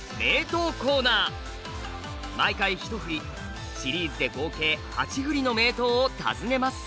毎回１振りシリーズで合計８振りの名刀を訪ねます。